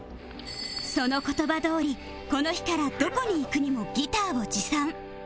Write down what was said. その言葉どおりこの日からどこに行くにもギターを持参